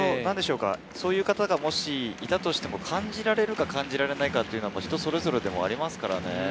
そういう方がもしいたとしても、感じられるか感じられないかってのは人それぞれのところがありますからね。